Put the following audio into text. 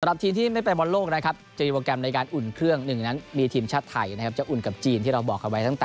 สำหรับทีมที่ไม่ไปบ่ลโลกนะครับจะมีโปรแกรมในการอุ่นเครื่อง